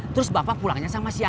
terus bapak pulangnya sama siapa